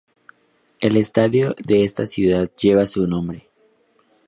El estadio de esta ciudad lleva su nombre.